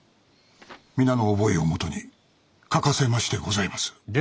皆の覚えをもとに描かせましてございます。